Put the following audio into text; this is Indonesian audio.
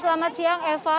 selamat siang eva